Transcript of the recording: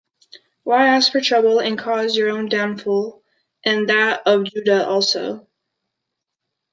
Why ask for trouble and cause your own downfall and that of Judah also?